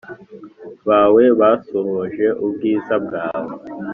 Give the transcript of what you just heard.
Bawe basohoje ubwiza bwawe